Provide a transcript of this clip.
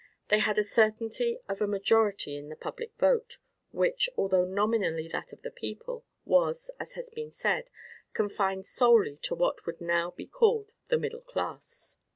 They had a certainty of a majority in the public vote, which, although nominally that of the people, was, as has been said, confined solely to what would now be called the middle class.